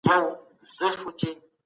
روحانيون او د اقتصاد کارپوهان وهڅول سول.